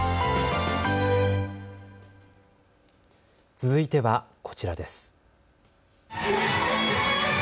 続いては、こちらです。